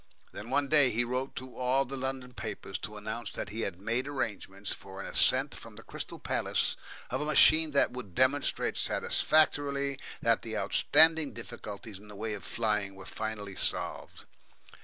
Then one day he wrote to all the London papers to announce that he had made arrangements for an ascent from the Crystal Palace of a machine that would demonstrate satisfactorily that the outstanding difficulties in the way of flying were finally solved.